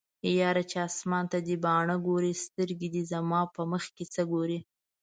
یاره چې اسمان ته دې باڼه ګوري سترګې دې زما په مخکې څه ګوري